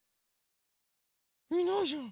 いないじゃん！